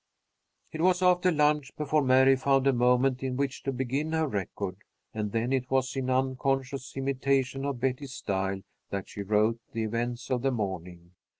_" It was after lunch before Mary found a moment in which to begin her record, and then it was in unconscious imitation of Betty's style that she wrote the events of the morning.